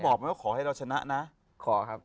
บอกไหมว่าขอให้เราชนะนะขอครับ